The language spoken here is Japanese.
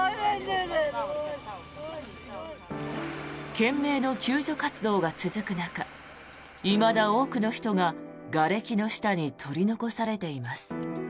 懸命の救助活動が続く中いまだ多くの人が、がれきの下に取り残されています。